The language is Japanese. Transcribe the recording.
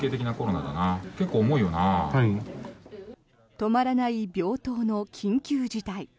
止まらない病棟の緊急事態。